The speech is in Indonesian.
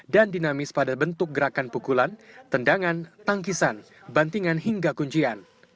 dan dinamis pada bentuk gerakan pukulan tendangan tangkisan bantingan hingga kunjian